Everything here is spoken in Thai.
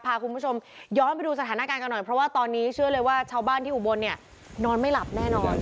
พาคุณผู้ชมย้อนไปดูสถานการณ์กันหน่อยเพราะว่าตอนนี้เชื่อเลยว่าชาวบ้านที่อุบลเนี่ยนอนไม่หลับแน่นอน